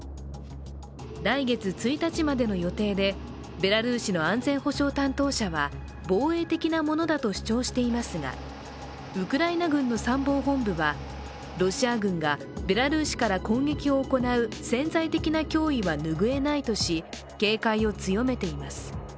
来月１日までの予定で、ベラルーシの安全保障担当者は防衛的なものだと主張していますがウクライナ軍の参謀本部は、ロシア軍がベラルーシから攻撃を行う潜在的な脅威は拭えないとし警戒を強めています。